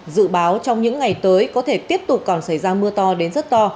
dự báo trong những ngày tới có thể tiếp tục còn xảy ra mưa to đến rất to